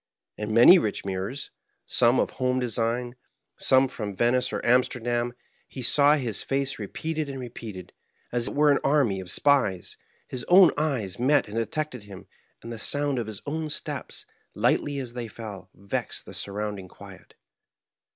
In many rich mirrors, some of home design, some from Venice or Amsterdam, he saw his face re peated and repeated, as it were an army of spies; his own eyes met and detected him ; and the sound of his own steps, lightly as they fell, vexed the surrounding quiet.